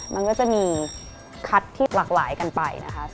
มันก็จะมีคัดที่หลากหลายกันไปนะคะ